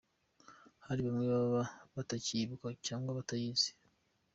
Hari bamwe baba batakiyibuka cyangwa batayizi.